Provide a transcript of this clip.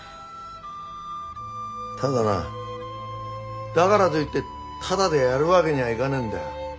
ただなあだからといってタダでやるわけにはいかねえんだよ。